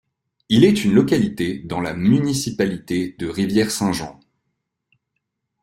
Il est une localité dans la municipalité de Rivière-Saint-Jean.